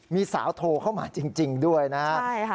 มีสาวโทรเข้ามาจริงด้วยนะครับ